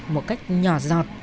một cách nhỏ dọt